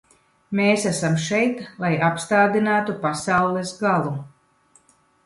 Mēs esam šeit, lai apstādinātu pasaules galu.